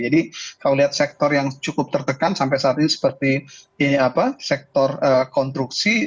jadi kalau lihat sektor yang cukup tertekan sampai saat ini seperti sektor konstruksi